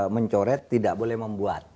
mencoret tidak boleh membuat